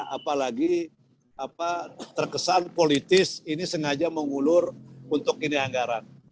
apalagi terkesan politis ini sengaja mengulur untuk ini anggaran